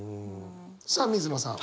さあ水野さん